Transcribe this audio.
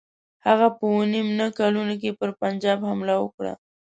هغه په اووه نیم نه کلونو کې پر پنجاب حمله وکړه.